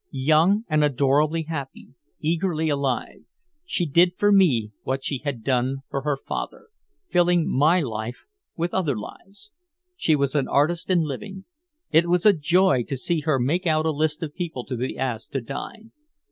Young and adorably happy, eagerly alive, she did for me what she had done for her father, filling my life with other lives. She was an artist in living. It was a joy to see her make out a list of people to be asked to dine.